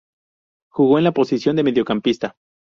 Jugó en la posición de mediocampista.